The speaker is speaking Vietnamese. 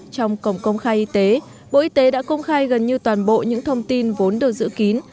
trong cổng công khai y tế bộ y tế đã công khai gần như toàn bộ những thông tin vốn được giữ kín